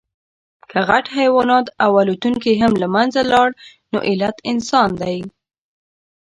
که غټ حیوانات او الوتونکي هم له منځه لاړل، نو علت انسان دی.